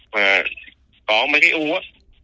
mà có mấy cái u á